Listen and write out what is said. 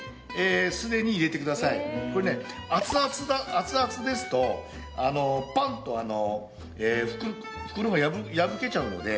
これねアツアツですとパンっと袋が破けちゃうので。